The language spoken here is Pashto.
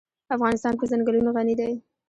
افغانستان په ځنګلونه غني دی.